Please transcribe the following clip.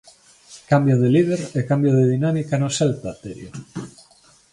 Cambio de líder e cambio de dinámica no Celta, Terio.